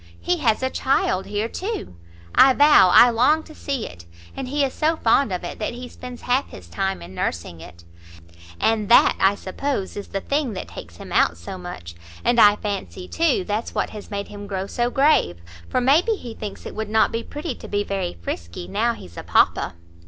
He has a child here, too, I vow I long to see it! and he is so fond of it that he spends half his time in nursing it; and that, I suppose, is the thing that takes him out so much; and I fancy, too, that's what has made him grow so grave, for may be he thinks it would not be pretty to be very frisky, now he's a papa."